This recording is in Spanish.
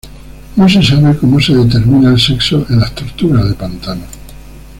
No se sabe cómo se determina el sexo en las tortugas de pantano.